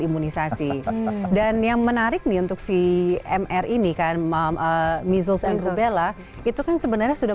imunisasi dan yang menarik nih untuk si mr ini kan misus and zubela itu kan sebenarnya sudah